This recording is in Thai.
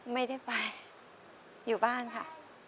ไม่ได้ไปอยู่บ้านค่ะ